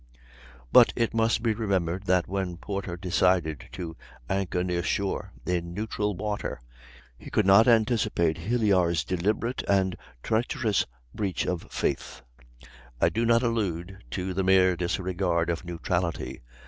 But it must be remembered that when Porter decided to anchor near shore, in neutral water, he could not anticipate Hilyar's deliberate and treacherous breach of faith. I do not allude to the mere disregard of neutrality.